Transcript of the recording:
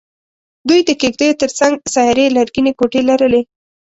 دوی د کېږدیو تر څنګ سیارې لرګینې کوټې لرلې.